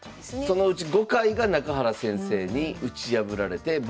そのうち５回が中原先生に打ち破られて防衛されてます。